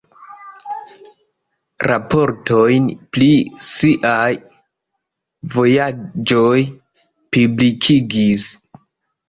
Raportojn pri siaj vojaĝoj publikigis.